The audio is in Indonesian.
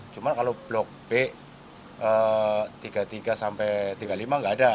cuma kalau blok b tiga puluh tiga sampai tiga puluh lima nggak ada